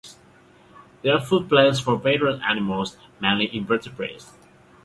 They are foodplants for various animals, mainly invertebrates.